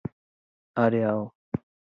Areal